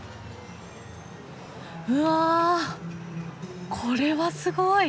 うわこれはすごい！